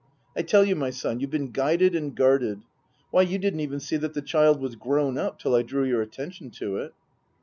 I tell you, my son, you've been guided and guarded. Why, you didn't even see that the child was grown up till I drew your attention to it."